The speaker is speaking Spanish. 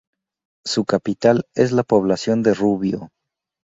Su capital es la población de Rubio.